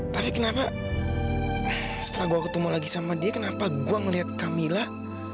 tapi kenapa setelah gue ketemu lagi sama dia kenapa gue ngeliat camillah